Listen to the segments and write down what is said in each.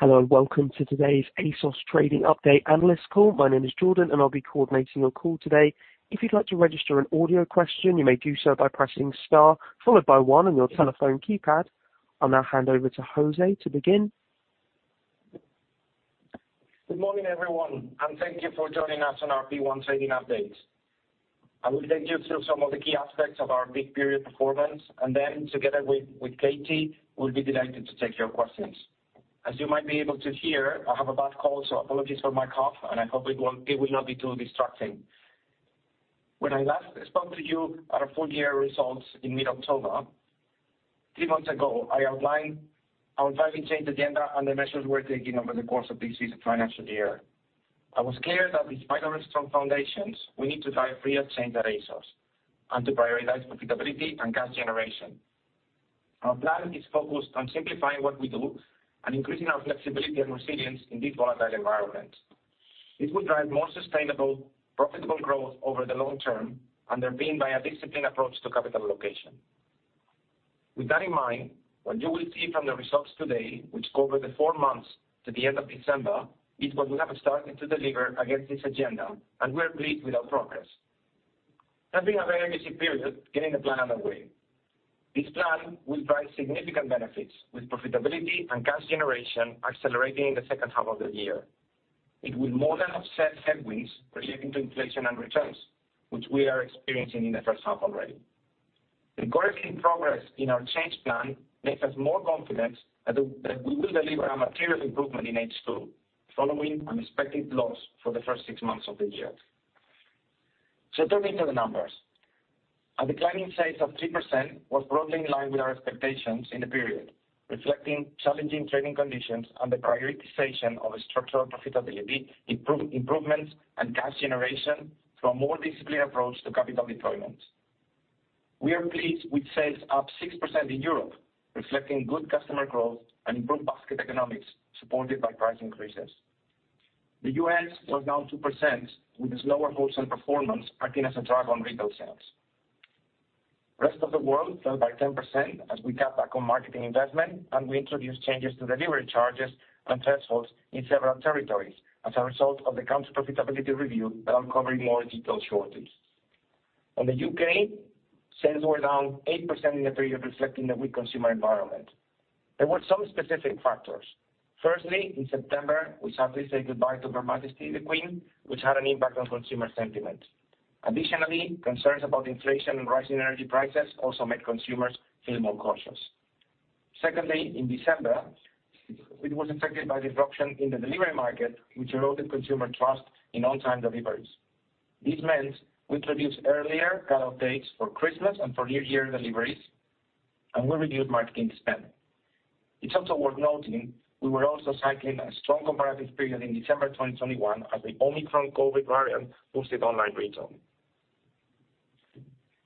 Hello, and welcome to today's ASOS trading update analyst call. My name is Jordan, and I'll be coordinating your call today. If you'd like to register an audio question, you may do so by pressing star followed by One on your telephone keypad. I'll now hand over to José to begin. Good morning, everyone. Thank you for joining us on our P1 trading update. I will take you through some of the key aspects of our peak period performance, and then together with Katy, we'll be delighted to take your questions. As you might be able to hear, I have a bad cold, so apologies for my cough and I hope it will not be too distracting. When I last spoke to you at our full year results in mid-October, three months ago, I outlined our driving change agenda and the measures we're taking over the course of this financial year. I was clear that despite our strong foundations, we need to drive real change at ASOS and to prioritize profitability and cash generation. Our plan is focused on simplifying what we do and increasing our flexibility and resilience in this volatile environment. This will drive more sustainable, profitable growth over the long term, underpinned by a disciplined approach to capital allocation. With that in mind, what you will see from the results today, which cover the four months to the end of December, is what we have started to deliver against this agenda. We are pleased with our progress. It has been a very busy period getting the plan underway. This plan will drive significant benefits with profitability and cash generation accelerating in the second half of the year. It will more than offset headwinds relating to inflation and returns, which we are experiencing in the first half already. The encouraging progress in our change plan makes us more confident that we will deliver a material improvement in H2 following unexpected loss for the first six months of the year. Turning to the numbers. A declining sales of 3% was broadly in line with our expectations in the period, reflecting challenging trading conditions and the prioritization of structural profitability, improvements, and cash generation through a more disciplined approach to capital deployment. We are pleased with sales up 6% in Europe, reflecting good customer growth and improved basket economics supported by price increases. The U.S. was down 2%, with its lower wholesale performance acting as a drag on retail sales. Rest of the world fell by 10% as we cut back on marketing investment. We introduced changes to delivery charges and thresholds in several territories as a result of the country profitability review that I'll cover in more detail shortly. In the U.K., sales were down 8% in the period, reflecting the weak consumer environment. There were some specific factors. In September, we sadly said goodbye to Her Majesty the Queen, which had an impact on consumer sentiment. Concerns about inflation and rising energy prices also made consumers feel more cautious. In December, it was affected by disruption in the delivery market, which eroded consumer trust in on-time deliveries. This meant we introduced earlier cut-off dates for Christmas and for New Year deliveries, and we reduced marketing spend. It's also worth noting we were also cycling a strong comparative period in December 2021 as the Omicron COVID variant boosted online retail.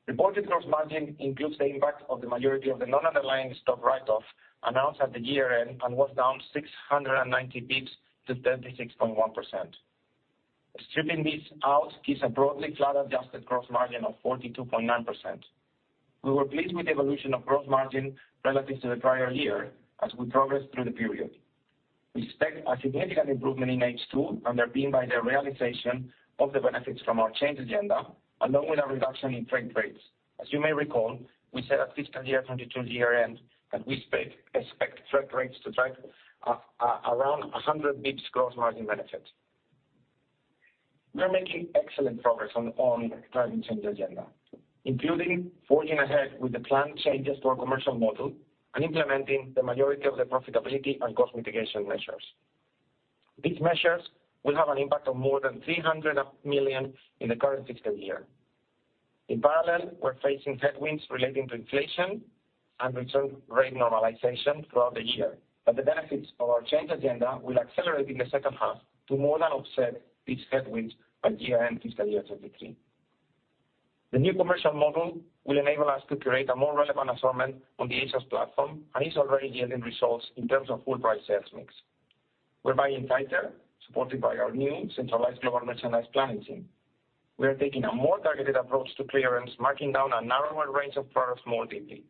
Reported gross margin includes the impact of the majority of the non-underlying stock write-off announced at the year-end and was down 690 basis points to 36.1%. Stripping these out gives a broadly flat adjusted gross margin of 42.9%. We were pleased with the evolution of gross margin relative to the prior year as we progressed through the period. We expect a significant improvement in H2, underpinned by the realization of the benefits from our change agenda, along with a reduction in freight rates. As you may recall, we said at fiscal year 20202022 year end that we expect freight rates to drive a around 100 basis points gross margin benefit. We are making excellent progress on the driving change agenda, including forging ahead with the planned changes to our commercial model and implementing the majority of the profitability and cost mitigation measures. These measures will have an impact of more than 300 million in the current fiscal year. In parallel, we're facing headwinds relating to inflation and return rate normalization throughout the year, but the benefits of our change agenda will accelerate in the second half to more than offset these headwinds by year-end fiscal year 202023. The new commercial model will enable us to create a more relevant assortment on the ASOS platform and is already yielding results in terms of full price sales mix. We're buying tighter, supported by our new centralized global merchandise planning team. We are taking a more targeted approach to clearance, marking down a narrower range of products more deeply.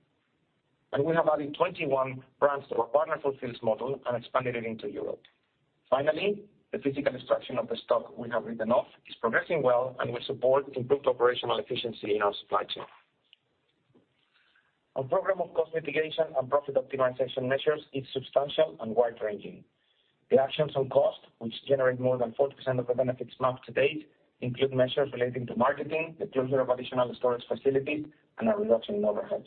We have added 21 brands to our Partner Fulfils model and expanded it into Europe. Finally, the physical destruction of the stock we have written off is progressing well and will support improved operational efficiency in our supply chain. Our program of cost mitigation and profit optimization measures is substantial and wide-ranging. The actions on cost, which generate more than 40% of the benefits mapped to date, include measures relating to marketing, the closure of additional storage facilities, and a reduction in overheads.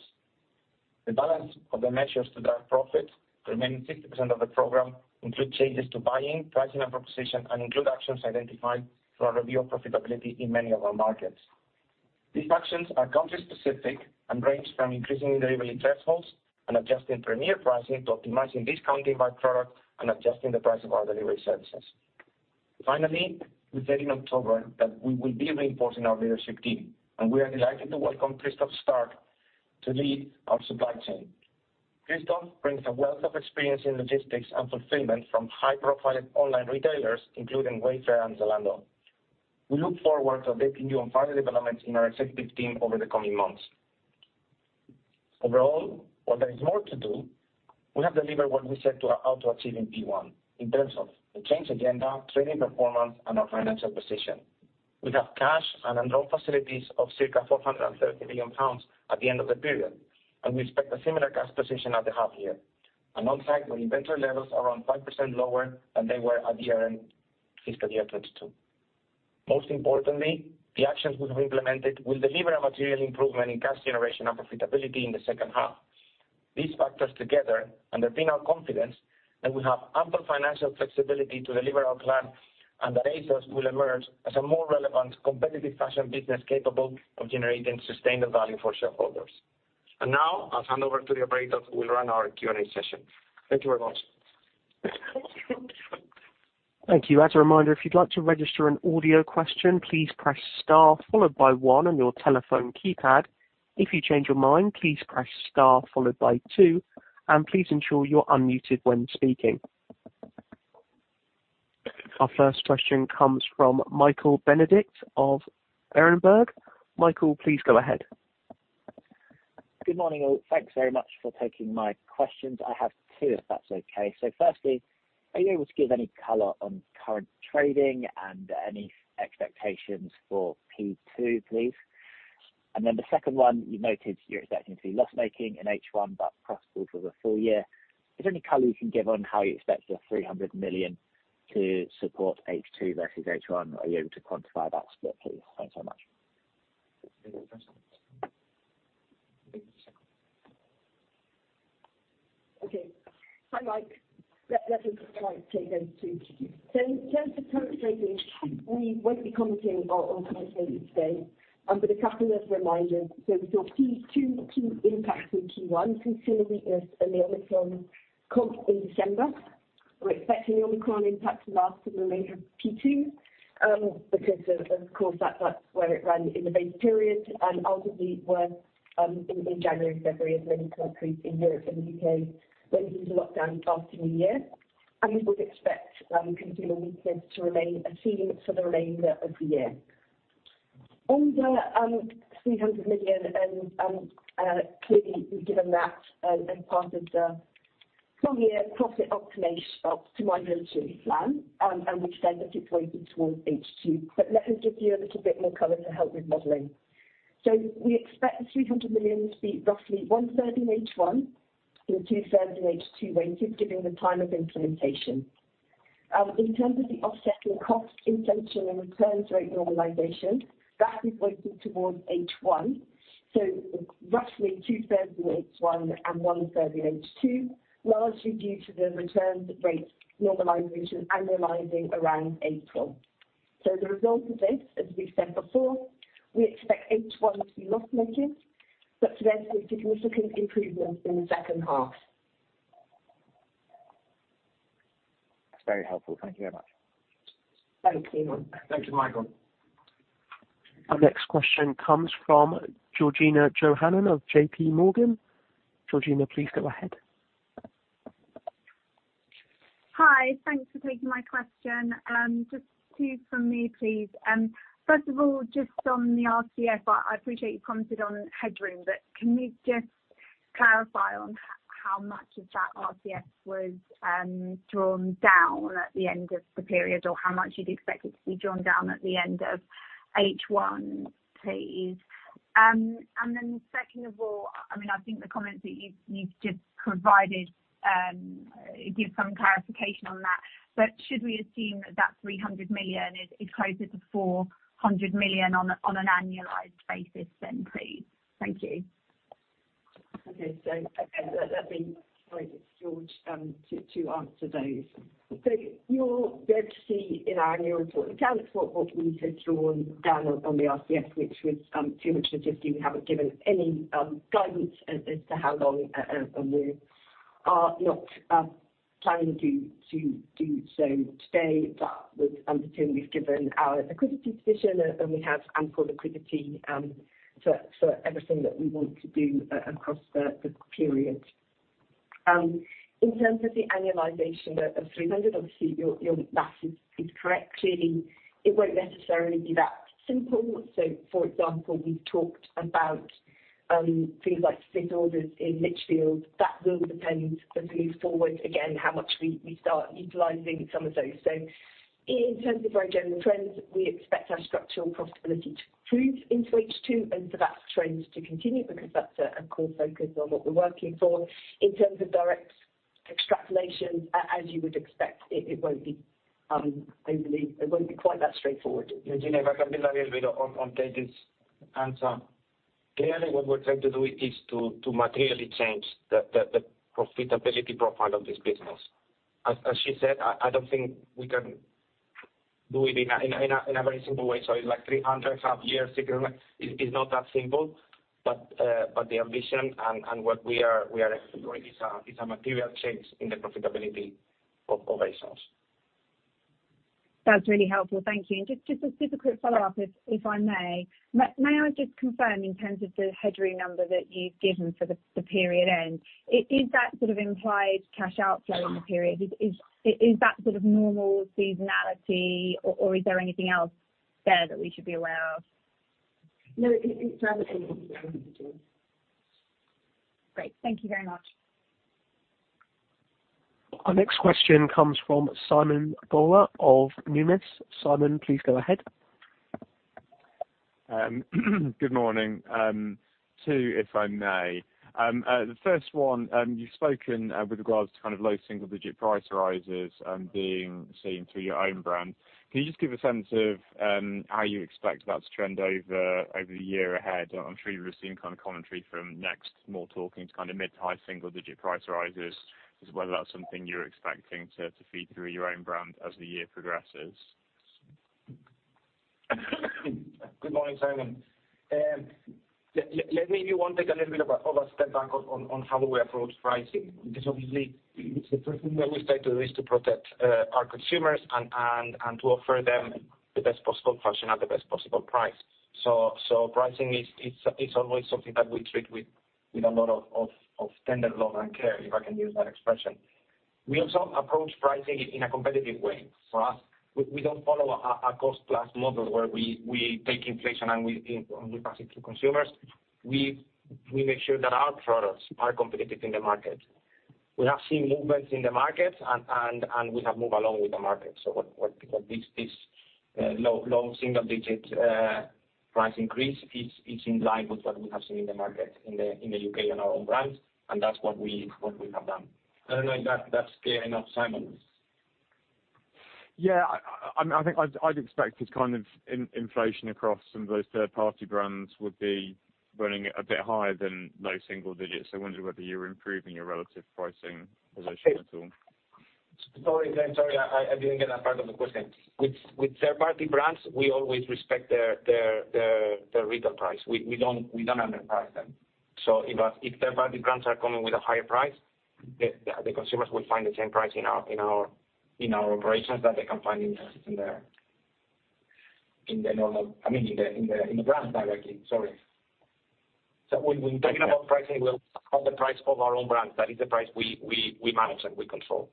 The balance of the measures to drive profit, the remaining 60% of the program, include changes to buying, pricing, and proposition, and include actions identified through our review of profitability in many of our markets. These actions are country specific and range from increasing delivery thresholds and adjusting premier pricing to optimizing discounting by product and adjusting the price of our delivery services. Finally, we said in October that we will be reinforcing our leadership team. We are delighted to welcome Christoph Stark to lead our supply chain. Christoph brings a wealth of experience in logistics and fulfillment from high-profile online retailers, including Wayfair and Zalando. We look forward to updating you on further developments in our executive team over the coming months. Overall, while there is more to do, we have delivered what we set out to achieve in P1 in terms of the change agenda, trading performance and our financial position. We have cash and undrawn facilities of circa 430 million pounds at the end of the period. We expect a similar cash position at the half year. On site, with inventory levels around 5% lower than they were at year end fiscal year 20202022. Most importantly, the actions we have implemented will deliver a material improvement in cash generation and profitability in the second half. These factors together underpin our confidence that we have ample financial flexibility to deliver our plan, and that ASOS will emerge as a more relevant competitive fashion business capable of generating sustainable value for shareholders. Now I'll hand over to the operator who will run our Q&A session. Thank you very much. Thank you. As a reminder, if you'd like to register an audio question, please press star followed by one on your telephone keypad. If you change your mind, please press star followed by two and please ensure you're unmuted when speaking. Our first question comes from Michael Benedict of Berenberg. Michael, please go ahead. Good morning all. Thanks very much for taking my questions. I have two, if that's okay. Firstly, are you able to give any color on current trading and any expectations for P2, please? The second one, you noted you're expecting to be loss-making in H1, but profitable for the full year. Is there any color you can give on how you expect your 300 million to support H2 versus H1? Are you able to quantify that split, please? Thanks so much. Okay. Hi, Mike. Let me try take those two. In terms of current trading, we won't be commenting on current trading today, but a couple of reminders. We saw P2 key impacts in Q1, consumer weakness and the Omicron comp in December. We're expecting Omicron impact to last for the remainder of P2, because of course, that's where it ran in the base period and ultimately where, in January and February as many countries in Europe and the U.K. went into lockdown after New Year. We would expect consumer weakness to remain a theme for the remainder of the year. On the 300 million and, clearly given that as part of the full year profit optimization to my go to plan, and we've said that it's weighted towards H2. Let me give you a little bit more color to help with modeling. We expect the 300 million to be roughly one third in H1 and two thirds in H2 weighted given the time of implementation. In terms of the offsetting cost inflation and returns rate normalization, that is weighted towards H1, so roughly two thirds in H1 and one third in H2, largely due to the returns rate normalization annualizing around April. The result of this, as we've said before, we expect H1 to be loss-making, but to then see significant improvement in the second half. That's very helpful. Thank you very much. Thank you. Thank you, Michael. Our next question comes from Georgina Johanan of JP Morgan. Georgina, please go ahead. Hi. Thanks for taking my question. Just two from me, please. First of all, just on the RCF, I appreciate you commented on headroom, but can you just clarify on how much of that RCF was drawn down at the end of the period or how much you'd expect it to be drawn down at the end of H1, please? Second of all, I mean, I think the comments that you've just provided give some clarification on that. Should we assume that that 300 million is closer to 400 million on an annualized basis then, please? Thank you. Okay. Okay. Let me, sorry, George, to answer those. You have to see in our annual report accounts what we have drawn down on the RCF, which was 250 million. We haven't given any guidance as to how long, and we are not planning to do so today. Assuming we've given our liquidity position, and we have ample liquidity for everything that we want to do across the period. In terms of the annualization of 300 million, obviously your math is correct. Clearly, it won't necessarily be that simple. For example, we've talked about things like split orders in Lichfield. That will depend as we move forward, again, how much we start utilizing some of those. In terms of our general trends, we expect our structural profitability to improve into H2 and for that trend to continue because that's a core focus on what we're working for. In terms of direct extrapolation, as you would expect, it won't be quite that straightforward. Georgina, if I can build a little bit on Katy's answer. Clearly, what we're trying to do is to materially change the profitability profile of this business. As she said, I don't think we can do it in a very simple way. It's like 300 half year signal. It's not that simple. The ambition and what we are executing is a material change in the profitability of ASOS. That's really helpful. Thank you. Just a quick follow-up if I may. May I just confirm in terms of the headroom number that you've given for the period end, is that sort of implied cash outflow in the period? Is that sort of normal seasonality or is there anything else there that we should be aware of? No, it's rather. Great. Thank you very much. Our next question comes from Simon Bowler of Numis. Simon, please go ahead. Good morning. Two, if I may. The first one, you've spoken with regards to kind of low single-digit price rises, being seen through your own brand. Can you just give a sense of how you expect that to trend over the year ahead? I'm sure you've received kind of commentary from next more talking to kind of mid-high single-digit price rises, as well as something you're expecting to feed through your own brand as the year progresses. Good morning, Simon. Let me, if you want, take a little bit of a step back on how we approach pricing. Obviously, it's the first thing that we try to do is to protect our consumers and to offer them the best possible function at the best possible price. Pricing is, it's always something that we treat with a lot of tender love and care, if I can use that expression. We also approach pricing in a competitive way. For us, we don't follow a cost plus model where we take inflation and we pass it to consumers. We make sure that our products are competitive in the market. We have seen movements in the market and we have moved along with the market. What this low single digit price increase is in line with what we have seen in the market in the U.K. and our own brands, and that's what we have done. I don't know if that's clear enough, Simon. Yeah. I think I'd expected kind of inflation across some of those third-party brands would be running it a bit higher than low single digits. I wondered whether you were improving your relative pricing position at all. Sorry, Simon. I didn't get that part of the question. With third-party brands, we always respect their retail price. We don't underprice them. If third-party brands are coming with a higher price, the consumers will find the same price in our operations that they can find in the normal... I mean, in the brands directly. Sorry. When we're talking about pricing, we'll call the price of our own brands. That is the price we manage and we control.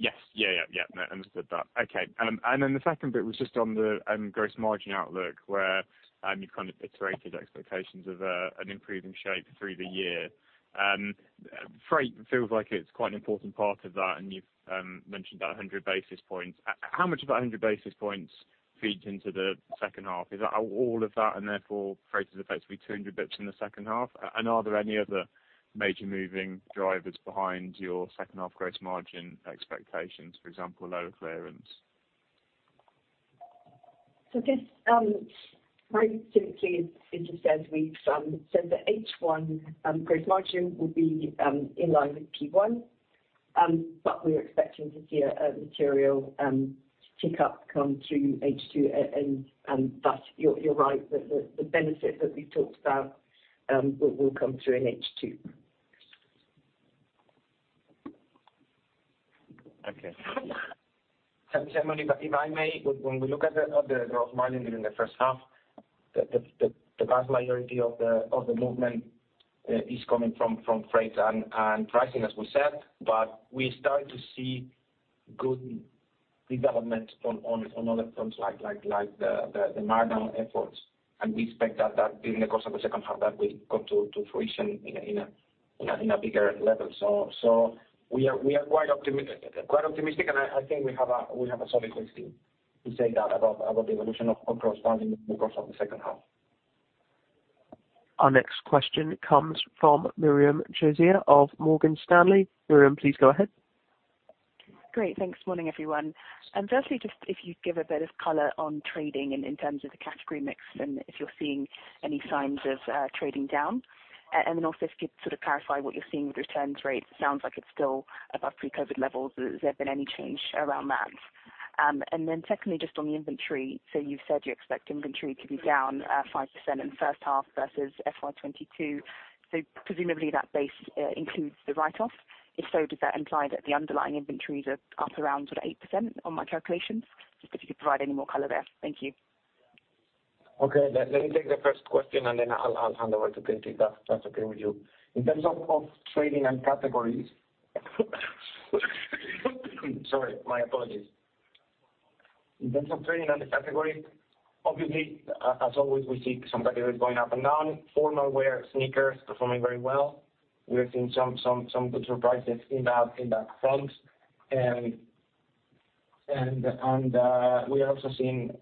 Yes. Yeah. Yeah. Yeah. No, understood that. Okay. Then the second bit was just on the gross margin outlook, where you kind of iterated expectations of an improving shape through the year. Freight feels like it's quite an important part of that, and you've mentioned that 100 basis points. How much of that 100 basis points feeds into the second half? Is that all of that, and therefore freight is effectively 200 bits in the second half? Are there any other major moving drivers behind your second half gross margin expectations, for example, lower clearance? Very typically, as you said, we've said that H1 gross margin will be in line with P1. We're expecting to see a material tick up come through H2. You're right. The benefit that we talked about will come through in H2. Okay. Similarly, if I may, when we look at the gross margin during the first half, the vast majority of the movement is coming from freight and pricing, as we said. We start to see good development on other fronts, like the margin efforts. We expect that during the course of the second half, that will come to fruition in a bigger level. We are quite optimistic, and I think we have a solid listing to say that about the evolution of gross margin in the course of the second half. Our next question comes from Miriam Josiah of Morgan Stanley. Miriam, please go ahead. Great. Thanks. Morning, everyone. Firstly, just if you'd give a bit of color on trading in terms of the category mix and if you're seeing any signs of trading down. Also if you'd sort of clarify what you're seeing with returns rates. It sounds like it's still above pre-COVID levels. Has there been any change around that? Secondly, just on the inventory. You've said you expect inventory to be down 5% in the first half versus fiscal year 20202022. Presumably, that base includes the write-off. If so, does that imply that the underlying inventories are up around sort of 8% on my calculations? Just if you could provide any more color there. Thank you. Okay. Let me take the first question, and then I'll hand over to Katy, if that's okay with you. In terms of trading and categories Sorry, my apologies. In terms of trading and the category, obviously, as always, we see some categories going up and down. Formal wear, sneakers performing very well. We have seen some good surprises in that front. And we are also seeing...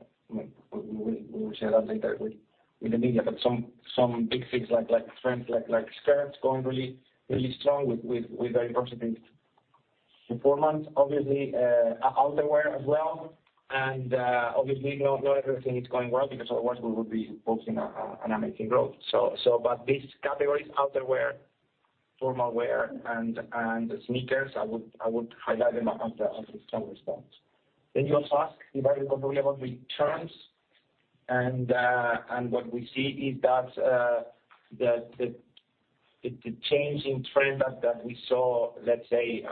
We'll share that later with the media, but some big things like trends like skirts going really strong with very positive performance. Obviously, outerwear as well. Obviously, not everything is going well because otherwise we would be posting an amazing growth. These categories, outerwear, formal wear, and sneakers, I would highlight them as the strong response. You also ask, if I recall correctly, about returns. What we see is that the change in trend that we saw, let's say,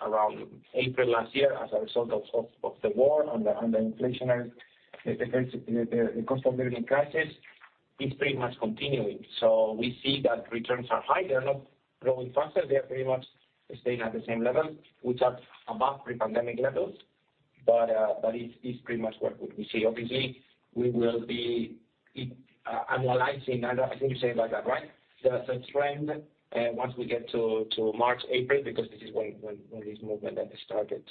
around April last year as a result of the war and the inflationary, the cost of living crisis, it's pretty much continuing. We see that returns are high. They're not growing faster. They're pretty much staying at the same level, which are above pre-pandemic levels. It's pretty much what we see. Obviously, we will be analyzing. I don't know. I think you said it like that, right? The trend, once we get to March, April, because this is when this movement had started.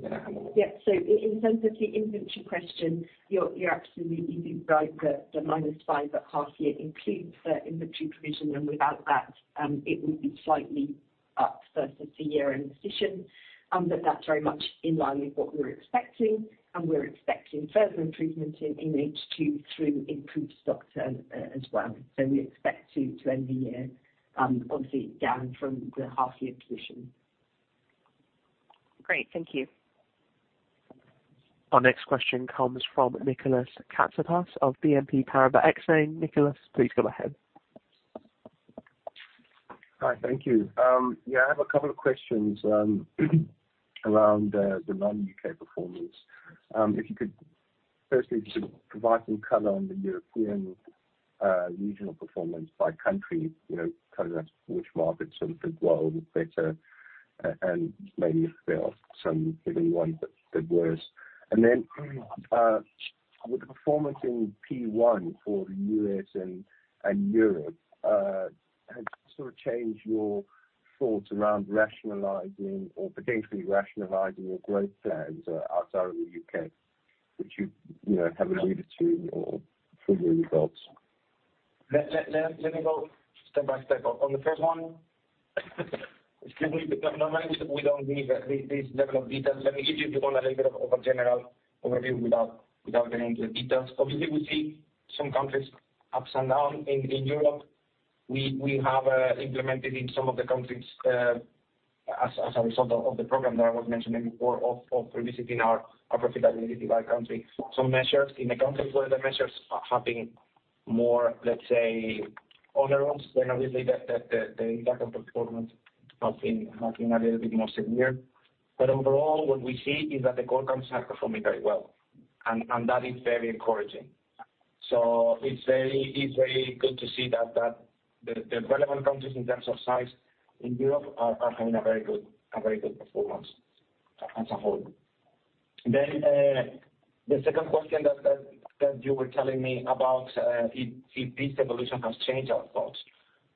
Yeah. Yeah. In terms of the inventory question, you're absolutely right that the -5 at half year includes the inventory provision, and without that, it would be slightly up versus the year-end position. That's very much in line with what we were expecting, and we're expecting further improvement in H2 through improved stock as well. We expect to end the year obviously down from the half year position. Great. Thank you. Our next question comes from Nicolas Katsapas of BNP Paribas Exane. Nicolas, please go ahead. Hi. Thank you. Yeah, I have a couple of questions around the non-U.K. performance. If you could firstly sort of provide some color on the European regional performance by country, you know, telling us which markets sort of did well, did better, and maybe if there are some, maybe one that did worse. Would the performance in P1 for the U.S. and Europe, has sort of changed your thoughts around rationalizing or potentially rationalizing your growth plans outside of the U.K.? Would you know, have a view to or through your results? Let me go step by step. On the first one, normally we don't give this level of details. Let me give you, if you want, a little bit of a general overview without getting into the details. Obviously, we see some countries ups and down. In Europe, we have implemented in some of the countries as a result of the program that I was mentioning before of revisiting our profitability by country. Some measures in the countries where the measures are having more, let's say, other ones, then obviously the impact on performance have been a little bit more severe. Overall, what we see is that the core countries are performing very well, and that is very encouraging. It's very good to see that the relevant countries in terms of size in Europe are having a very good performance as a whole. The second question that you were telling me about, if this evolution has changed our thoughts.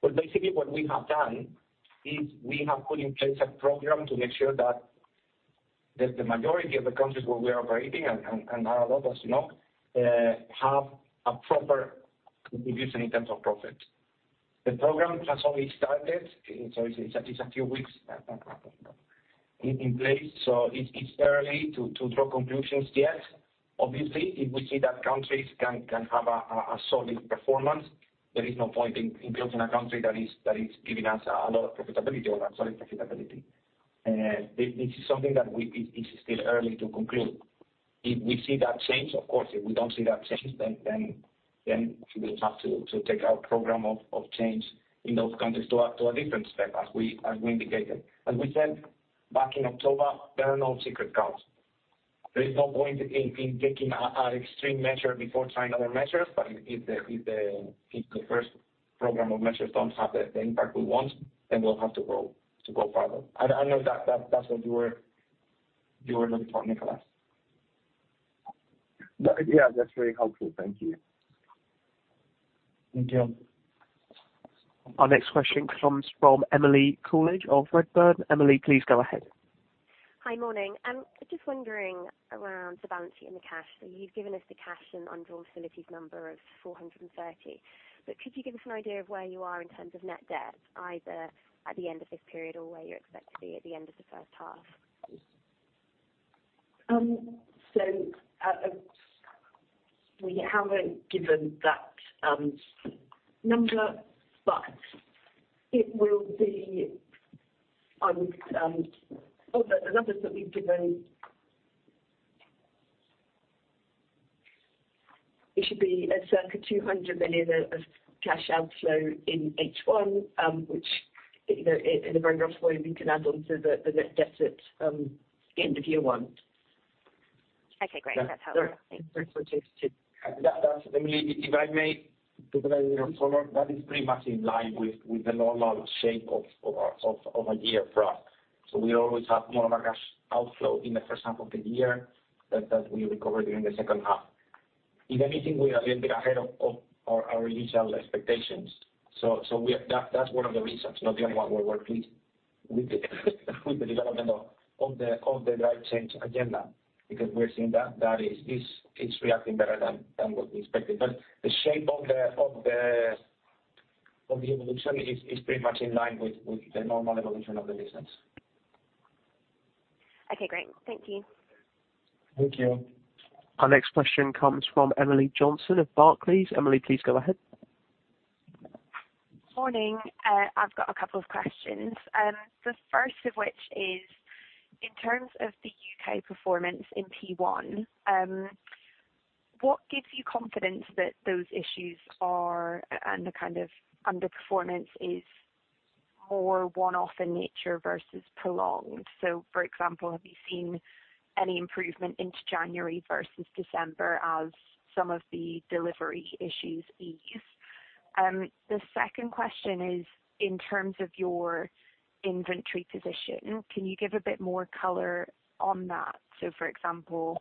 Well, basically what we have done is we have put in place a program to make sure that the majority of the countries where we are operating, and not a lot, but is not, have a proper contribution in terms of profit. The program has only started, so it's a few weeks in place, so it's early to draw conclusions yet. Obviously, if we see that countries can have a solid performance, there is no point in closing a country that is giving us a lot of profitability or solid profitability. This is something that it is still early to conclude. If we see that change, of course. If we don't see that change, then we will have to take our program of change in those countries to a different step, as we indicated. As we said back in October, there are no sacred cows. There is no point in taking an extreme measure before trying other measures. If the first program of measures don't have the impact we want, then we'll have to go further. I know that's what you were looking for, Nicolas. Yeah, that's really helpful. Thank you. Thank you. Our next question comes from Emily Cooledge of Redburn. Emily, please go ahead. Hi. Morning. just wondering around the balance sheet and the cash? You've given us the cash and undrawn facilities number of 430. Could you give us an idea of where you are in terms of net debt, either at the end of this period or where you expect to be at the end of the first half? We haven't given that number, but it will be on. Of the numbers that we've given, it should be at circa 200 million of cash outflow in H1, which, you know, in a very rough way, we can add on to the net debt at end of year one. Okay, great. That's helpful. Thanks. Refer to. That's Emily, if I may, because I follow, that is pretty much in line with the normal shape of our of a year for us. We always have more of a cash outflow in the first half of the year that we recover during the second half. If anything, we are a little bit ahead of our initial expectations. That's one of the reasons, not the only one, we're pleased with the development of the right change agenda, because we're seeing that is reacting better than what we expected. The shape of the evolution is pretty much in line with the normal evolution of the business. Okay, great. Thank you. Thank you. Our next question comes from Emily Johnson of Barclays. Emily, please go ahead. Morning. I've got a couple of questions. The first of which is, in terms of the U.K. performance in P1, what gives you confidence that those issues are, and the kind of underperformance is more one-off in nature versus prolonged? For example, have you seen any improvement into January versus December as some of the delivery issues ease? The second question is, in terms of your inventory position, can you give a bit more color on that? For example,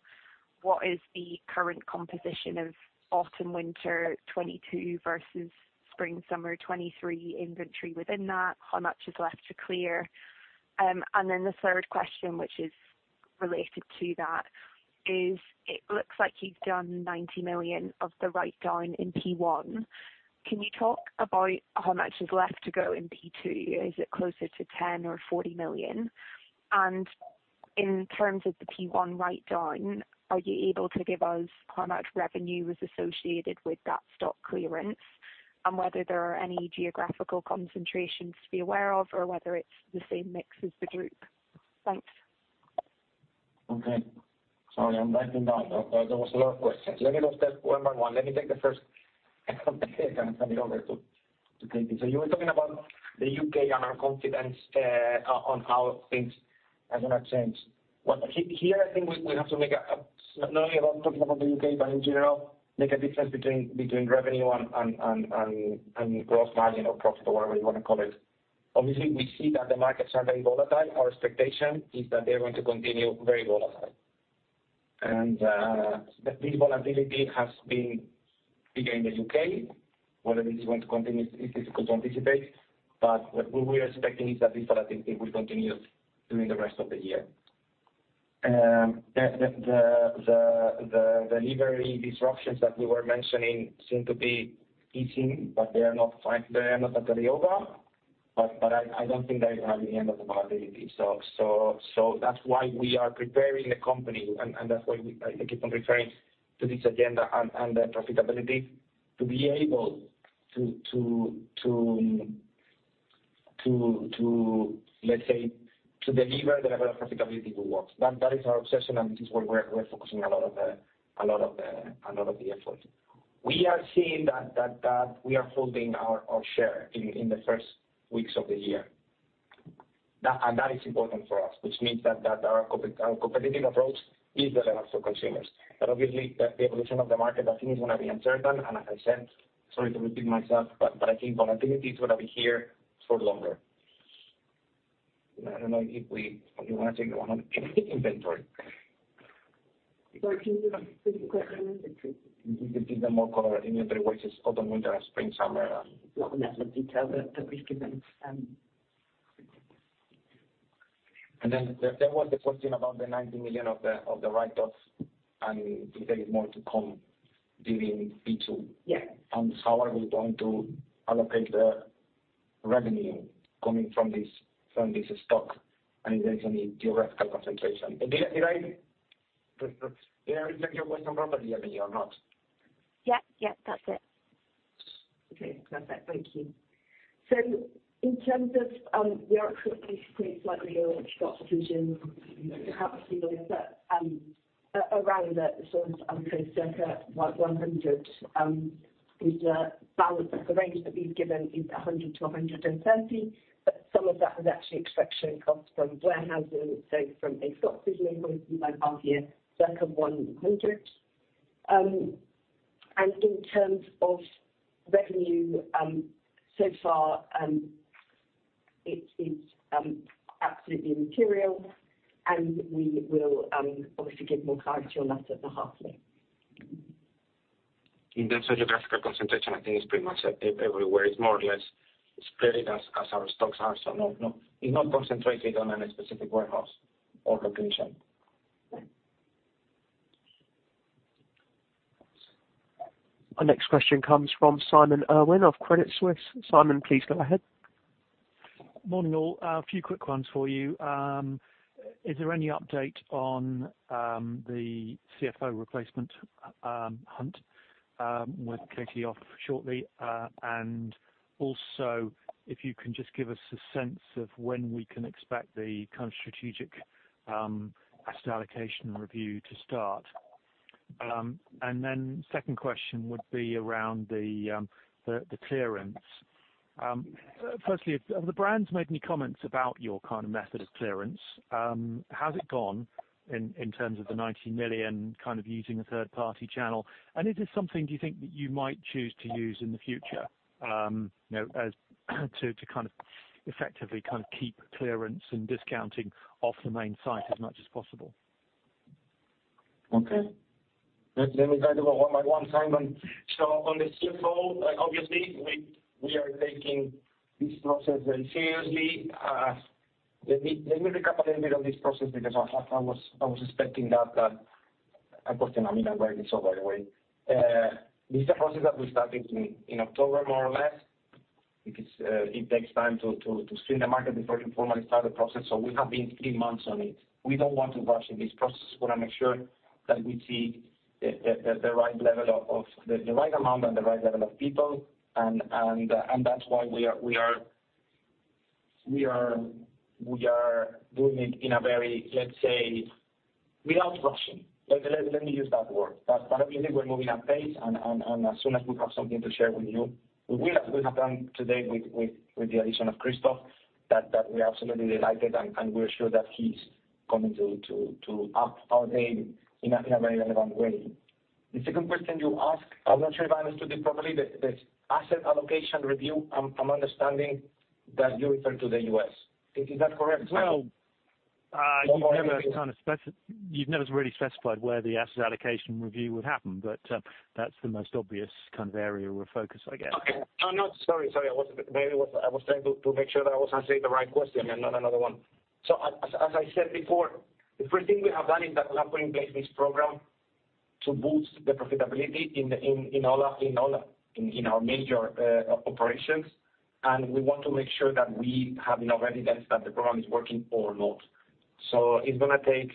what is the current composition of autumn/winter 20202022 versus spring/summer 202023 inventory within that? How much is left to clear? The third question, which is related to that, is it looks like you've done 90 million of the write down in P1. Can you talk about how much is left to go in P2? Is it closer to 10 million or 40 million? In terms of the P1 write-down, are you able to give us how much revenue is associated with that stock clearance and whether there are any geographical concentrations to be aware of or whether it's the same mix as the group? Thanks. Okay. Sorry, I'm writing down. There was a lot of questions. Let me go step one by one. Let me take the first and hand it over to Katy. You were talking about the U.K. and our confidence on how things are gonna change. Well, here, I think we have to make a not only about talking about the U.K., but in general, make a difference between revenue and gross margin or profit or whatever you wanna call it. Obviously, we see that the markets are very volatile. Our expectation is that they're going to continue very volatile. The, this volatility has been bigger in the U.K.. Whether this is going to continue, it's difficult to anticipate. But what we're expecting is that this volatility will continue during the rest of the year. The delivery disruptions that we were mentioning seem to be easing, they are not entirely over. I don't think they are the end of the volatility. That's why we are preparing the company, and that's why we, I keep on referring to this agenda and the profitability to be able to, let's say, to deliver the level of profitability we want. That is our obsession, and it is where we're focusing a lot of the effort. We are seeing that we are holding our share in the first weeks of the year. That is important for us, which means that our competitive approach is relevant for consumers. Obviously, the evolution of the market, I think it's gonna be uncertain. As I said, sorry to repeat myself, but I think volatility is gonna be here for longer. Do you wanna take one of Inventory? Sorry, can you repeat the question on inventory? If you could give them more color inventory-wise, it's autumn, winter, spring, summer. Not in that much detail, but we can understand. There was the question about the 90 million of the write off and if there is more to come during P2. Yeah. How are we going to allocate the revenue coming from this stock, and if there's any geographical concentration. Did I understand your question properly, Ebony, or not? Yeah. Yeah, that's it. Perfect. Thank you. In terms of your question is pretty slightly on stock position, perhaps the only set around that sort of, I would say, circa 100, is the balance. The range that we've given is 100-130, but some of that was actually extraction costs from warehousing. From a stock position point of view, like half year, circa 100. And in terms of revenue so far, it is absolutely material, and we will obviously give more clarity on that at the half year. In terms of geographical concentration, I think it's pretty much everywhere. It's more or less spread as our stocks are. No, it's not concentrated on any specific warehouse or location. Okay. Our next question comes from Simon Irwin of Credit Suisse. Simon, please go ahead. Morning, all. A few quick ones for you. Is there any update on the CFO replacement hunt with Katy off shortly? Also, if you can just give us a sense of when we can expect the kind of strategic asset allocation review to start. Then second question would be around the clearance. Firstly, have the brands made any comments about your kind of method of clearance? How's it gone in terms of the 90 million, kind of using a third-party channel? Is this something, do you think, that you might choose to use in the future, you know, as to kind of effectively kind of keep clearance and discounting off the main site as much as possible? Let me take it one by one, Simon. On the CFO, obviously, we are taking this process very seriously. Let me recap a little bit on this process because I was expecting that question. I mean, I read it so by the way. This is a process that we started in October, more or less, because it takes time to screen the market before you formally start the process. We have been three months on it. We don't want to rush in this process. We wanna make sure that we see the right amount and the right level of people. That's why we are doing it in a very, let's say, without rushing. Let me use that word. Obviously, we're moving at pace and as soon as we have something to share with you, we will. As we have done today with the addition of Christoph, that we are absolutely delighted and we are sure that he's coming to ask our name in a very relevant way. The second question you ask, I'm not sure if I understood it properly, the asset allocation review. I'm understanding that you refer to the U. Is that correct as well? You've never really specified where the asset allocation review would happen, but that's the most obvious kind of area of focus, I guess. Okay. No, sorry. I was trying to make sure that I was asking the right question and not another one. As I said before, the first thing we have done is that we have put in place this program to boost the profitability in all of our major operations. We want to make sure that we have enough evidence that the program is working or not. It's gonna take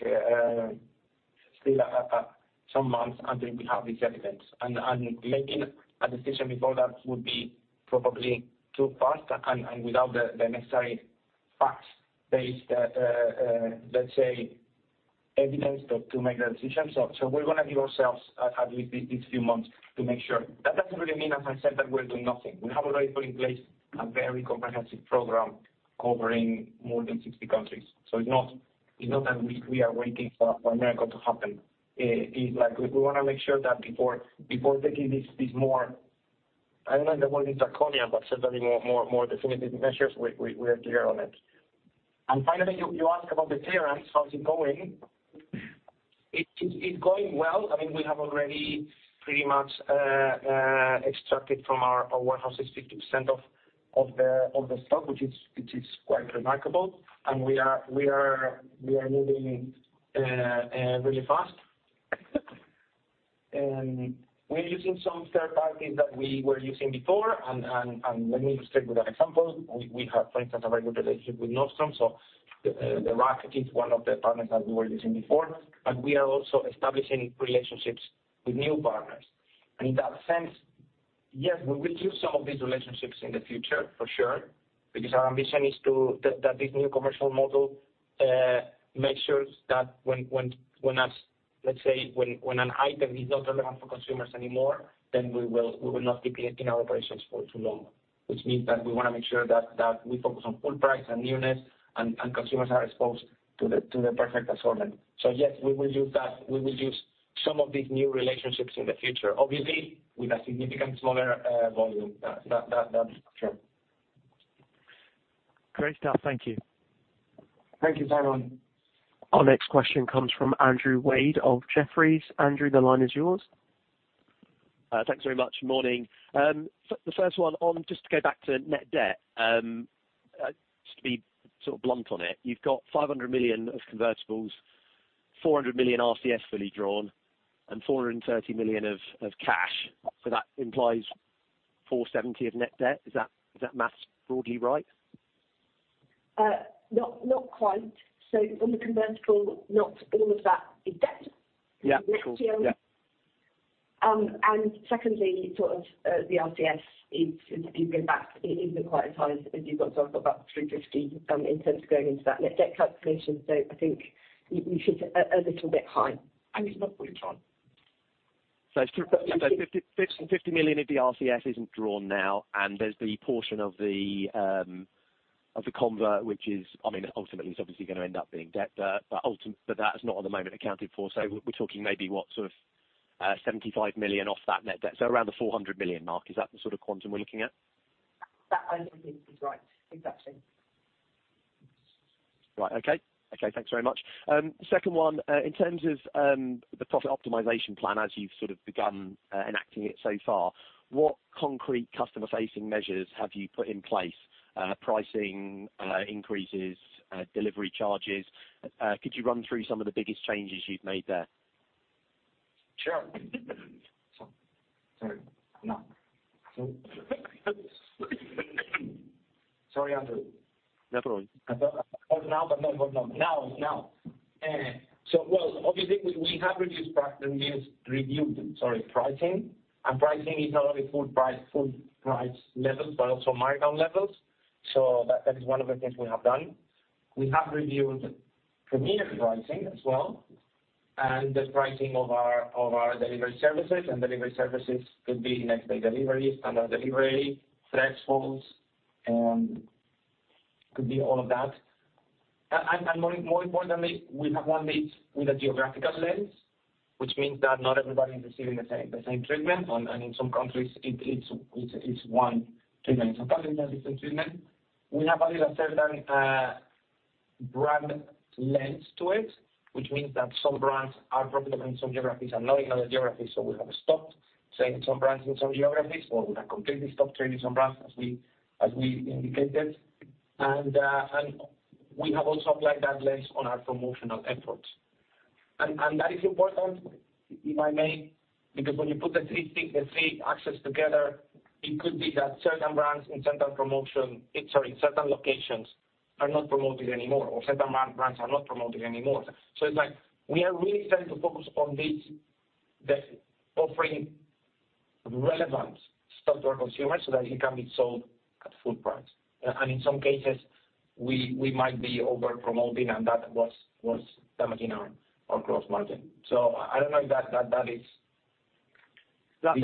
still some months until we have this evidence. And making a decision before that would be probably too fast and without the necessary fact-based, let's say, evidence to make that decision. So we're gonna give ourselves at least these few months to make sure. That doesn't really mean, as I said, that we're doing nothing. We have already put in place a very comprehensive program covering more than 60 countries. It's not that we are waiting for a miracle to happen. It like, we wanna make sure that before taking these more, I don't know if the word is draconian, but certainly more definitive measures, we are clear on it. Finally, you ask about the clearance. How's it going? It's going well. I mean, we have already pretty much extracted from our warehouses 50% of the stock, which is quite remarkable. We are moving really fast. We're using some third parties that we were using before, and let me just take with an example. We have, for instance, a very good relationship with Nordstrom, so the racket is one of the partners that we were using before, but we are also establishing relationships with new partners. In that sense, yes, we will use some of these relationships in the future for sure, because our ambition is to... That this new commercial model makes sure that when a, let's say, when an item is not relevant for consumers anymore, then we will not be keeping it in our operations for too long. Which means that we wanna make sure that we focus on full price and newness and consumers are exposed to the perfect assortment. Yes, we will use that. We will use some of these new relationships in the future, obviously with a significant smaller volume. That's sure. Great stuff. Thank you. Thank you, Simon. Our next question comes from Andy Wade of Jefferies. Andrew, the line is yours. Thanks very much. Morning. The first one on, just to go back to net debt, just to be sort of blunt on it, you've got 500 million of convertibles, 400 million RCF fully drawn, and 430 million of cash. That implies 470 of net debt. Is that, does that math broadly right? Not quite. On the convertible, not all of that is debt. Yeah, cool. Yeah. Secondly, sort of, the RCS is, if you go back, isn't quite as high as you've got. I've got about 350, in terms of going into that net debt calculation. I think you should a little bit high. It's not fully drawn. 50 million of the RCS isn't drawn now. There's the portion of the convert, which is, I mean, ultimately it's obviously gonna end up being debt. That is not at the moment accounted for. We're talking maybe what, sort of, 75 million off that net debt. Around the 400 million mark. Is that the sort of quantum we're looking at? That I think is right. Exactly. Right. Okay. Okay. Thanks very much. second one, in terms of, the profit optimization plan, as you've sort of begun, enacting it so far, what concrete customer-facing measures have you put in place? pricing, increases, delivery charges. Could you run through some of the biggest changes you've made there? Sure. Sorry. Now. Sorry, Andrew. No problem. Now, so well, obviously we have reduced price, that means reviewed, sorry, pricing. Pricing is not only full price levels but also markdown levels. That is one of the things we have done. We have reviewed premium pricing as well, and the pricing of our delivery services, and delivery services could be next day delivery, standard delivery, thresholds, could be all of that. More importantly, we have one lead with a geographical lens, which means that not everybody is receiving the same treatment. In some countries, it's one treatment. In some countries, a different treatment. We have added a certain brand lens to it, which means that some brands are prominent in some geographies and not in other geographies. We have stopped selling some brands in some geographies, or we have completely stopped trading some brands as we indicated. We have also applied that lens on our promotional efforts. That is important, if I may, because when you put the three things, the three axes together, it could be that certain brands in certain promotion, or in certain locations are not promoted anymore, or certain brands are not promoted anymore. It's like we are really starting to focus on this, the offering relevant stuff to our consumers so that it can be sold at full price. In some cases, we might be over-promoting, and that was damaging our gross margin. I don't know if that is That's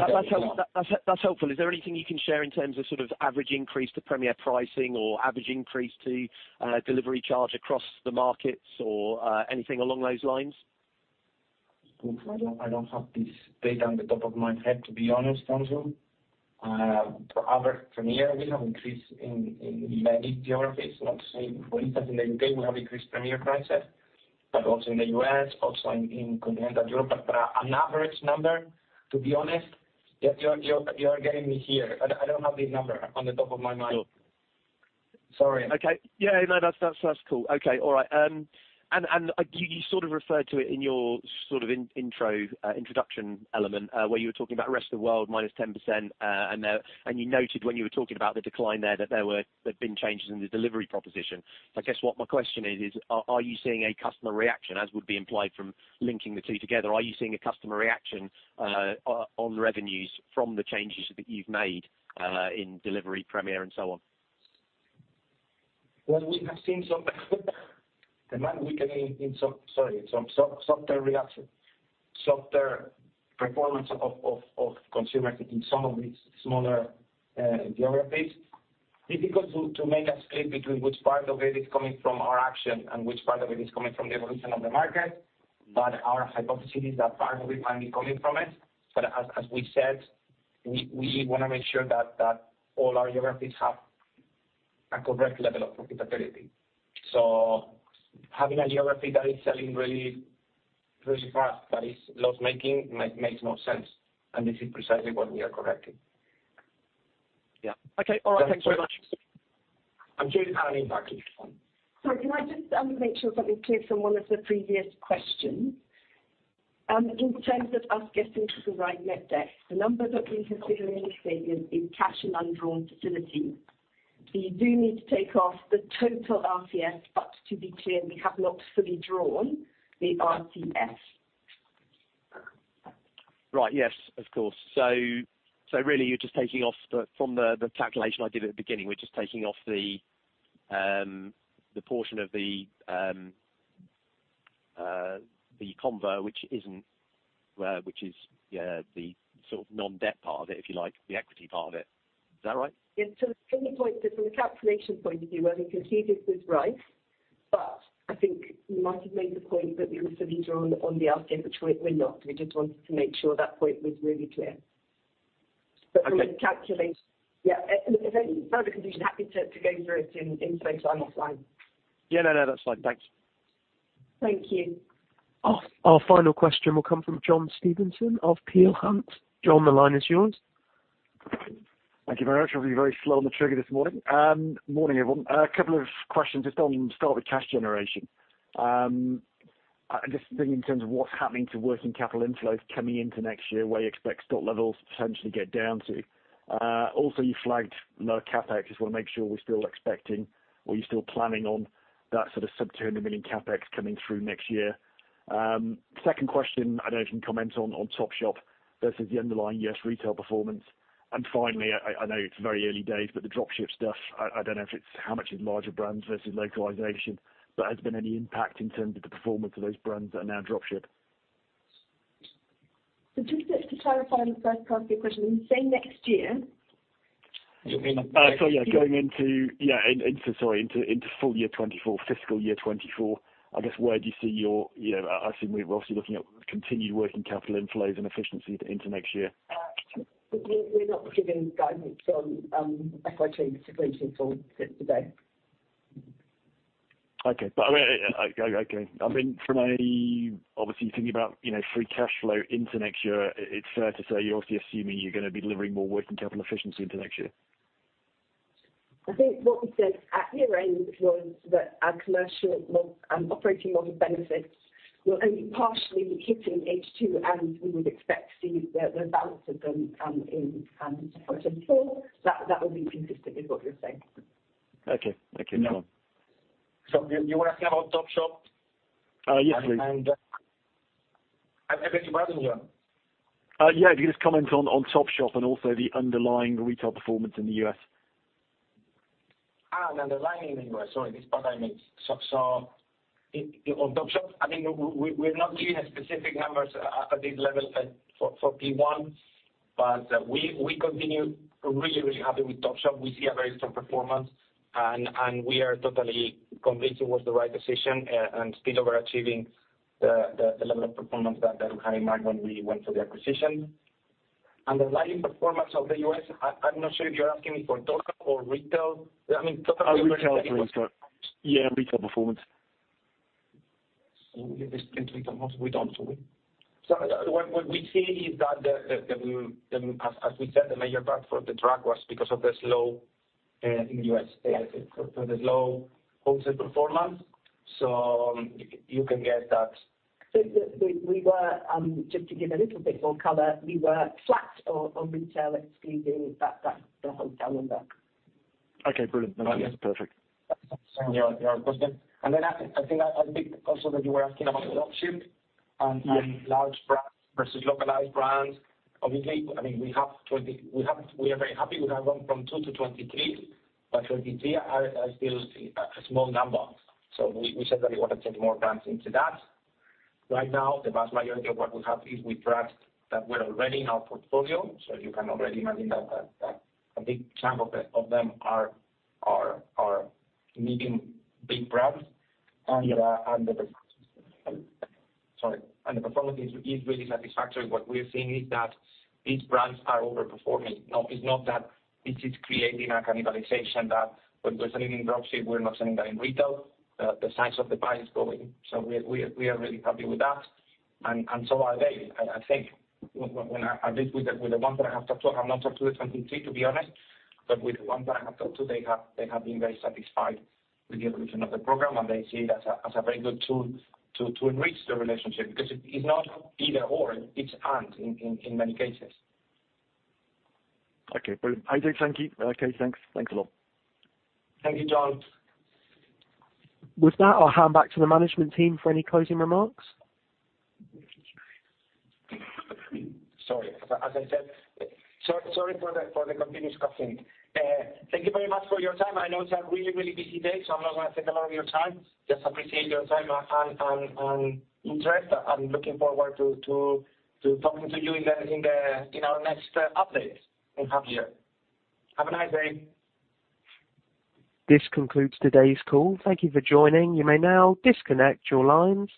helpful. Is there anything you can share in terms of sort of average increase to Premier pricing or average increase to delivery charge across the markets or anything along those lines? I don't have this data on the top of my head, to be honest, Andrew. For our Premier, we have increased in many geographies, not the same. For instance, in the U.K., we have increased Premier prices, but also in the U.S., also in Continental Europe. An average number, to be honest, you're, you're getting me here. I don't have the number on the top of my mind. Sure. Sorry. Okay. Yeah, no, that's, that's cool. Okay. All right. You sort of referred to it in your sort of in-intro, introduction element, where you were talking about rest of the world minus 10%. You noted when you were talking about the decline there that there had been changes in the delivery proposition. I guess what my question is, are you seeing a customer reaction, as would be implied from linking the two together? Are you seeing a customer reaction, on revenues from the changes that you've made, in delivery, Premier, and so on? Well, we have seen some demand weakening in some softer reaction, softer performance of consumers in some of these smaller geographies. Difficult to make a split between which part of it is coming from our action and which part of it is coming from the evolution of the market. Our hypothesis is that part of it might be coming from it. As we said, we wanna make sure that all our geographies have a correct level of profitability. Having a geography that is selling really fast, but is loss-making, makes no sense. This is precisely what we are correcting. Yeah. Okay. All right. Thanks very much. I'm sure you have an impact if you want. Sorry. Can I just make sure something clear from one of the previous questions. In terms of us getting to the right net debt, the number that we've been considering is in cash and undrawn facilities. You do need to take off the total RCF, but to be clear, we have not fully drawn the RCF. Yes, of course. Really you're just taking off from the calculation I did at the beginning. We're just taking off the portion of the combo, which is the sort of non-debt part of it, if you like, the equity part of it. Is that right? Yes. From the point of view, from the calculation point of view, what you concluded was right. I think you might have made the point that we were fully drawn on the RC, which we're not. We just wanted to make sure that point was really clear. Okay. From the calculation. Yeah. If there's any further confusion, happy to go through it in space. I'm offline. Yeah. No, no, that's fine. Thanks. Thank you. Our final question will come from John Stevenson of Peel Hunt. John, the line is yours. Thank you very much. I'll be very slow on the trigger this morning. Morning, everyone. A couple of questions just on start with cash generation. Just thinking in terms of what's happening to working capital inflows coming into next year, where you expect stock levels potentially get down to. Also you flagged lower CapEx. Just want to make sure we're still expecting or you're still planning on that sort of sub-GBP 200 million CapEx coming through next year. Second question, I don't know if you can comment on Topshop versus the underlying U.S. retail performance. Finally, I know it's very early days, but the dropship stuff, I don't know if it's how much is larger brands versus localization, but has been any impact in terms of the performance of those brands that are now dropshipped? Just to clarify the first part of your question, you say next year. sorry, yeah, sorry, into full year 2024, fiscal year 2024, I guess where do you see your, you know, I assume we're obviously looking at continued working capital inflows and efficiency into next year. we're not giving guidance on FY2024 today. Okay. I mean, okay. I mean, from a obviously thinking about, you know, free cash flow into next year, it's fair to say you're obviously assuming you're gonna be delivering more working capital efficiency into next year. I think what we said at year end was that our commercial model and operating model benefits will only partially be hitting H2. We would expect to see the balance of them in 202024. That would be consistent with what you're saying. Okay. Thank you. you wanna say on Topshop? Yes, please. And Yeah, if you could just comment on Topshop and also the underlying retail performance in the U.S. The underlying in the U.S. Sorry, this part I missed. On Topshop, I mean, we're not giving specific numbers at this level for P1, but we continue really happy with Topshop. We see a very strong performance and we are totally convinced it was the right decision and still overachieving the level of performance that we had in mind when we went for the acquisition. Underlying performance of the U.S., I'm not sure if you're asking me for Topshop or retail. I mean, Topshop. Retail, sorry. Yeah, retail performance. We explained retail. We don't, do we? What we see is that the, as we said, the major part for the drag was because of the slow in the U.S. The slow wholesale performance. You can get that. We were, just to give a little bit more color, we were flat on retail excluding that the hotel number. Okay, brilliant. That's perfect. Your question. I think also that you were asking about the dropship and large brands versus localized brands. Obviously, I mean, we are very happy. We have gone from 2 to 2023 are still a small number. We said that we want to take more brands into that. Right now, the vast majority of what we have is with brands that were already in our portfolio. You can already imagine that a big chunk of them are medium, big brands. The performance is really satisfactory. What we're seeing is that these brands are overperforming. No, it's not that it is creating a cannibalization that when we're selling in dropship, we're not selling that in retail. The size of the pie is growing. We are really happy with that. And so are they. I think when I did with the ones that I have talked to, I have not talked to the 2023, to be honest, but with the ones that I have talked to, they have been very satisfied with the evolution of the program, and they see it as a very good tool to enrich the relationship because it's not either/or, it's and in many cases. Okay, brilliant. I think thank you. Okay, thanks. Thanks a lot. Thank you, John. With that, I'll hand back to the management team for any closing remarks. Sorry. As I said, sorry for the continuous coughing. Thank you very much for your time. I know it's a really, really busy day. I'm not gonna take a lot of your time. Just appreciate your time and interest. I'm looking forward to talking to you in our next update in half year. Have a nice day. This concludes today's call. Thank you for joining. You may now disconnect your lines.